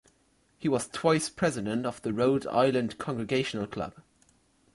He was twice president of the Rhode Island Congregational Club.